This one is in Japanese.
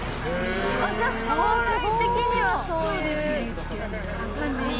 じゃあ将来的にはそういう感じに？